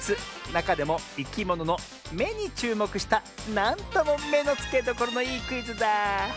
なかでもいきものの「め」にちゅうもくしたなんともめのつけどころのいいクイズだ。